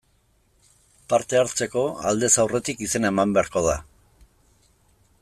Parte hartzeko, aldez aurretik izena eman beharko da.